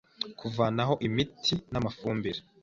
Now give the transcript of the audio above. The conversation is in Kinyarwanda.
kuvanaho imiti n amafumbire